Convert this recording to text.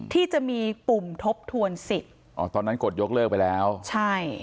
ที่จะมีปุ่มทบทวนสิทธิ์อ๋อตอนนั้นกดยกเลิกไปแล้วใช่